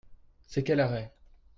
C'est quel arrêt ?